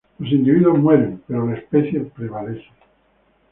Los individuos mueren, pero la especie prevalece.